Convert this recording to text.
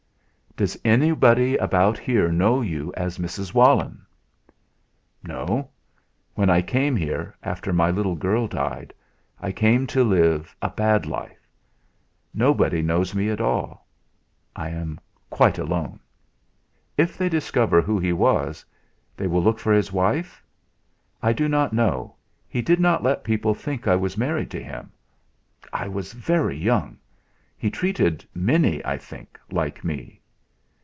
"Does anybody about here know you as Mrs. Walenn?" "No. When I came here, after my little girl died, I came to live a bad life. Nobody knows me at all. I am quite alone." "If they discover who he was, they will look for his wife?" "I do not know. He did not let people think I was married to him. I was very young; he treated many, I think, like me."